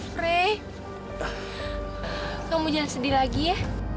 free kamu jangan sedih lagi ya